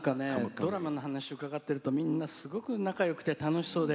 ドラマの話を伺ってるとみんな、すごく仲よくて楽しそうで。